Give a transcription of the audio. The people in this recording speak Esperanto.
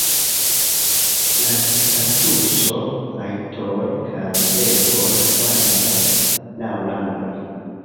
La statuso, rajtoj kaj devoj varias laŭ landoj.